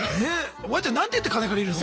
おばあちゃん何て言って金借りるの？